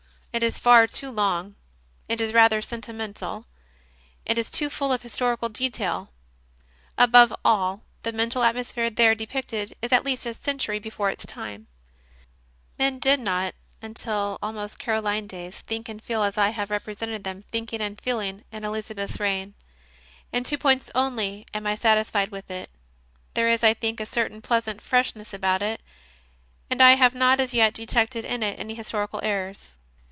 It is far too long; it is rather sentimen tal; it is too full of historical detail; above all, the mental atmosphere there depicted is at least a cen tury before its time; men did not, until almost Caroline days, think and feel as I have represented CONFESSIONS OF A CONVERT 117 them thinking and feeling in Elizabeth s reign. In two points only am I satisfied with it: there is, I think, a certain pleasant freshness about it, and I have not as yet detected in it any historical errors.